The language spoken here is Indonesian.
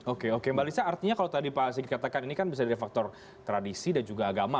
oke oke mbak lisa artinya kalau tadi pak asyik katakan ini kan bisa dari faktor tradisi dan juga agama